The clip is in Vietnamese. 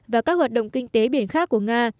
và các hoạt động kinh tế biển khác của nga